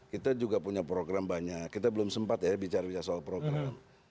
kita juga punya program banyak kita belum sempat ya bicara bicara soal program